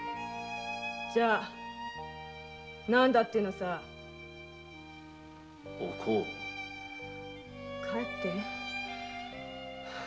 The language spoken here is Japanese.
じゃ何だってのさお幸帰って。